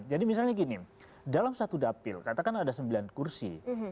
misalnya gini dalam satu dapil katakan ada sembilan kursi